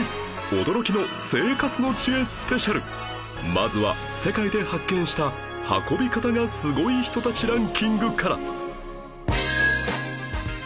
まずは世界で発見した運び方がすごい人たちランキングから